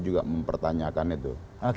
juga mempertanyakan itu